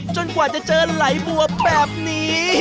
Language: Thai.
กว่าจะเจอไหลบัวแบบนี้